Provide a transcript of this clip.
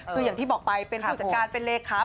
คืออย่างที่บอกไปเป็นผู้จัดการเป็นเลขา